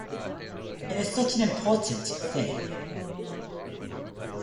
It is such an important thing.